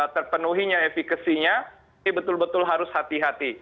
terpenuhinya efekasinya ini betul betul harus hati hati